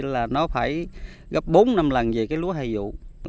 là nó phải gấp bốn năm lần về lúa hài dụng